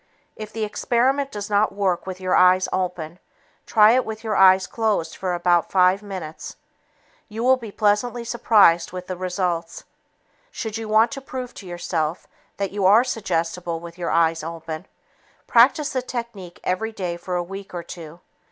If the experiment does not work with your eyes open, try it with your eyes closed for about five minutes. You will be pleasantly surprised with the results. Should you want to prove to yourself that you are suggestible with your eyes open, practice the technique every day for a week or two.